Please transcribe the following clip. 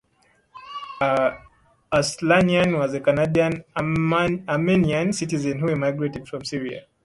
Arslanian was a Canadian-Armenian citizen who emigrated from Syria.